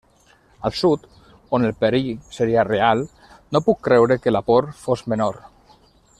Al Sud, on el perill seria real, no puc creure que la por fos menor.